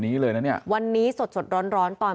เมื่อวานแบงค์อยู่ไหนเมื่อวาน